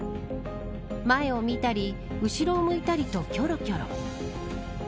前を見たり後ろを向いたりときょろきょろ。